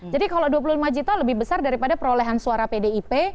jadi kalau dua puluh lima juta lebih besar daripada perolehan suara pdip